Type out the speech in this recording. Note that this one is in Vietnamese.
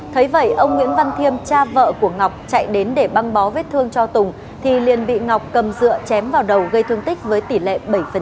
thấy vậy ông nguyễn văn thiêm cha vợ của ngọc chạy đến để băng bó vết thương cho tùng thì liền bị ngọc cầm dựa chém vào đầu gây thương tích với tỷ lệ bảy